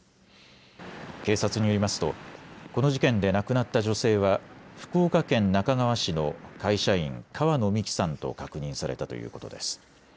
警察によりますとこの事件で亡くなった女性は福岡県那珂川市の会社員、川野美樹さんと確認されたということです。